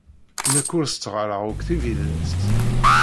Nekk ur setteɣ ara akk tibidest.